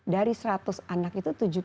dari seratus anak itu tujuh puluh tiga yang muda